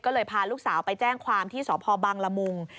ก็เลยพาลูกสาวไปแจ้งความที่สพบังละมุง